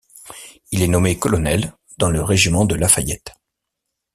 Il est nommé colonel dans le régiment de La Fayette.